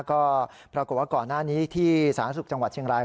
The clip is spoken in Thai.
ก็ปรากฏว่าก่อนหน้านี้ที่สาธารณสุขจังหวัดเชียงราย